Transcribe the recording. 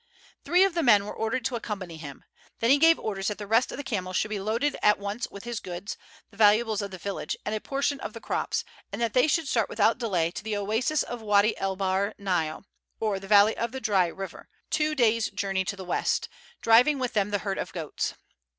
Three of the men were ordered to accompany him. Then he gave orders that the rest of the camels should be loaded at once with his goods, the valuables of the village, and a portion of the crops, and that they should start without delay to the oasis of Wady El Bahr Nile, or the valley of the Dry River, two days' journey to the west, driving with them the herd of goats.